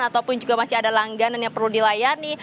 ataupun juga masih ada langganan yang perlu dilayani